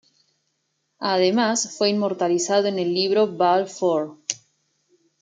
Además, fue inmortalizado en el libro "Ball Four".